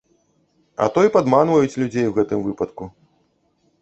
А то і падманваюць людзей ў гэтым выпадку.